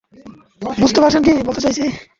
বুঝতে পারছেন কি বলতে চাইছি?